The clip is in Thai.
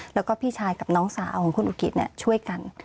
แล้วก็พี่ชายกับน้องสาวของคุณอุกิตช่วยกัน